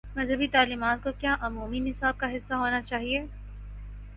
مذہبی تعلیمات کو کیا عمومی نصاب کا حصہ ہو نا چاہیے؟